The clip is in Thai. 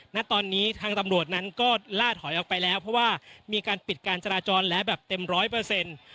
ณตอนนี้ทางตำรวจนั้นก็ล่าถอยออกไปแล้วเพราะว่ามีการปิดการจราจรแล้วแบบเต็มร้อยเปอร์เซ็นต์